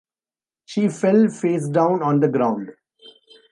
She fell face down on the ground.